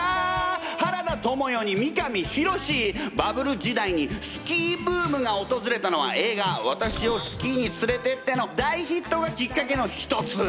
バブル時代にスキーブームがおとずれたのは映画「私をスキーに連れてって」の大ヒットがきっかけの一つ！